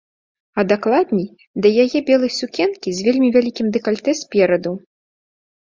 А дакладней, да яе белай сукенкі з вельмі вялікім дэкальтэ спераду.